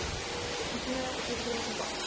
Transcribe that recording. お勧め、教えてくれませんか？